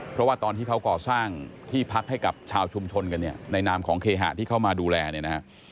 เพราะว่าตอนที่เขาก่อสร้างที่พักให้กับชาวชุมชนกันเนี่ยในนามของเคหะที่เข้ามาดูแลเนี่ยนะฮะ